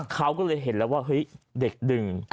เขาก็เลยเห็นแล้วว่าเฮ้ยเด็กดึง